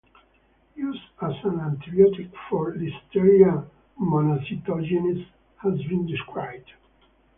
Use as an antibiotic for "Listeria monocytogenes" has been described.